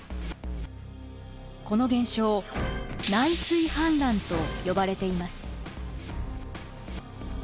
この現象「内水氾濫」と呼ばれています。